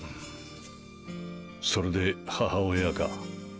それで母親か。